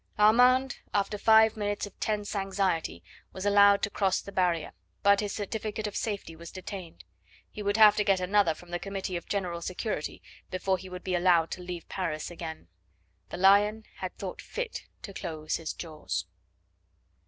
Armand, after five minutes of tense anxiety, was allowed to cross the barrier, but his certificate of safety was detained. He would have to get another from the Committee of General Security before he would be allowed to leave Paris again. The lion had thought fit to close his jaws.